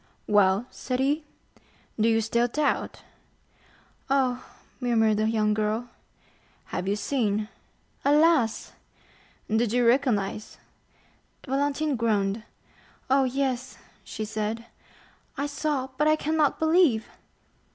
"Well," said he, "do you still doubt?" "Oh," murmured the young girl. "Have you seen?" "Alas!" "Did you recognize?" Valentine groaned. "Oh, yes;" she said, "I saw, but I cannot believe!"